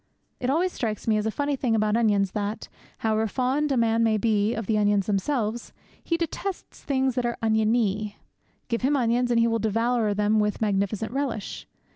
It always strikes me as a funny thing about onions that, however fond a man may be of the onions themselves, he detests things that are oniony. Give him onions, and he will devour them with magnificent relish.